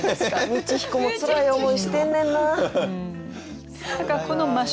道彦もつらい思いしてんねんな。